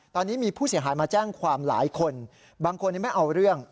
ตอนนี้มีผู้เสียหายมาแจ้งความหลายคนบางคนไม่เอาเรื่อง